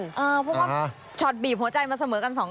เพราะว่าช็อตบีบหัวใจมาเสมอกันสองคน